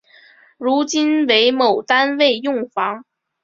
如今为某单位用房。